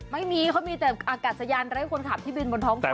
ไม่มีเขามีแต่อากาศยานไร้คนขับที่บินบนท้องฟ้า